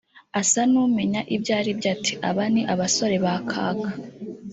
asa n’umenye ibyo ri byo ati “Aba ni abasore ba Kaka’